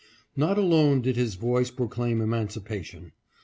Not alone did his voice proclaim emancipation.